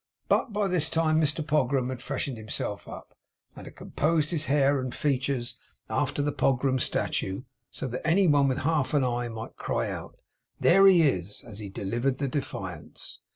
But by this time Mr Pogram had freshened himself up, and had composed his hair and features after the Pogram statue, so that any one with half an eye might cry out, 'There he is! as he delivered the Defiance!